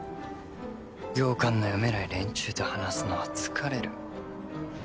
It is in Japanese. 行間の読めない連中と話すのは疲れる。